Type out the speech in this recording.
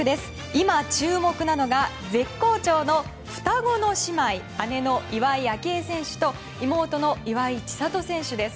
今注目なのが絶好調の双子の姉妹姉の岩井明愛選手と妹の岩井千怜選手です。